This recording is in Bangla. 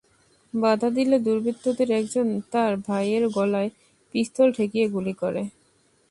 বাধা দিলে দুর্বৃত্তদের একজন তাঁর ভাইয়ের গলায় পিস্তল ঠেকিয়ে গুলি করে।